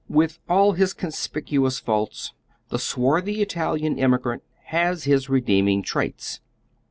With all his conspicuous faults, the swarthy Italian immigrant has his redeeming traits.